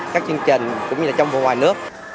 các chương trình cũng như trong vùng ngoài nước